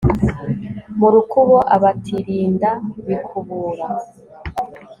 mu rukubo abatirinda bikubura